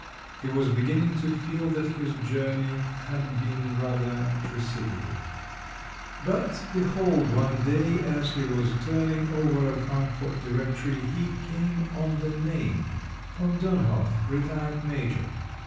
He was beginning to feel that his journey had been rather precipitate…. But, behold, one day, as he was turning over a Frankfort directory, he came on the name: Von Dönhof, retired major.